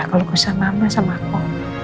kalo kusah mama sama aku